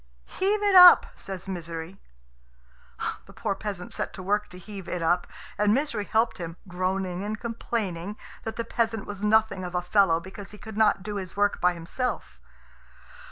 "Heave it up," says Misery. The poor peasant set to work to heave it up, and Misery helped him, groaning, and complaining that the peasant was nothing of a fellow because he could not do his work by himself.